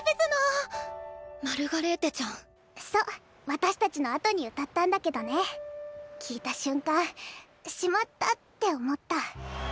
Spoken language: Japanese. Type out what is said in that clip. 私たちの後に歌ったんだけどね聴いた瞬間「しまった」って思った。